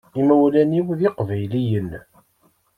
Imawlan-iw d iqbayliyen.